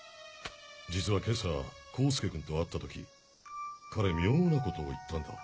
実は今朝浩介君と会った時彼妙なことを言ったんだ。